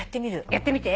やってみて。